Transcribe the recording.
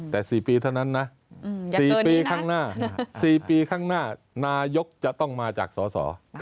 แต่๔ปีเท่านั้นนะ๔ปีข้างหน้านายกจะต้องมาจากสส